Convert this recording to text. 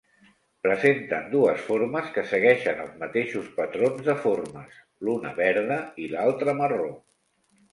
Presenta dues formes que segueixen els mateixos patrons de formes, l'una verda i l'altra marró.